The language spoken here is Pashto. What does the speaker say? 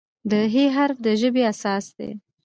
د "ه" حرف د ژبې اساس دی.